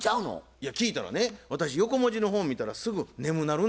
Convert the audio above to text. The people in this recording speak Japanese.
いや聞いたらね「私横文字の本見たらすぐ眠なるねん」